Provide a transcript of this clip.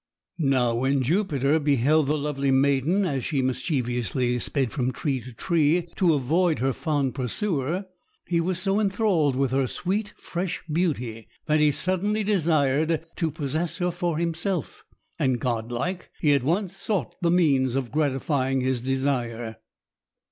Now, when Jupiter beheld the lovely maiden as she mischievously sped from tree to tree to avoid her fond pursuer, he was so enthralled with her sweet fresh beauty, that he suddenly desired to possess her for himself; and, god like, he at once sought the means of gratifying his desire.